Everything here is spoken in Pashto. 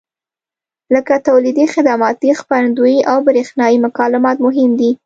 لکه تولیدي، خدماتي، خپرندویي او برېښنایي مکالمات مهم دي.